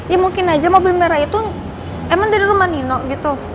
ya mungkin aja mobil merah itu emang dari rumah nino gitu